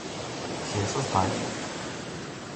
Kje so zdaj?